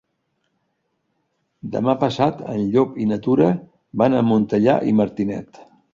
Demà passat en Llop i na Tura van a Montellà i Martinet.